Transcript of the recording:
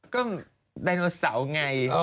ก็ไดโนเสาร์ไง